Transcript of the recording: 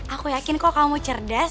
aku yakin kok kamu cerdas